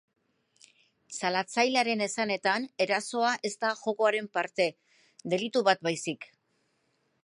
Salatzailearen eanetan, erasoa ez da jokoaren parte, delitu bat baizik.